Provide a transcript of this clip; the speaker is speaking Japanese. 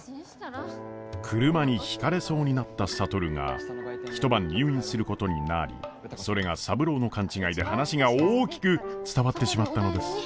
車にひかれそうになった智が一晩入院することになりそれが三郎の勘違いで話が大きく伝わってしまったのです。